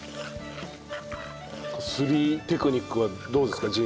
すりテクニックはどうですか？